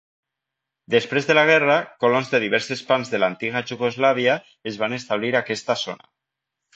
Després de la guerra, colons de diverses parts de l'antiga Iugoslàvia es van establir aquesta zona.